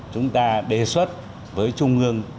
chúng ta đề xuất với trung ương